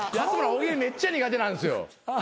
大喜利めっちゃ苦手なんですよ。